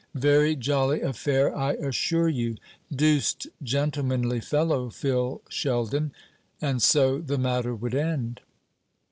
Very jolly affair, I assure you. Deuced gentlemanly fellow, Phil Sheldon." And so the matter would end.